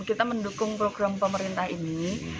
kita mendukung program pemerintah ini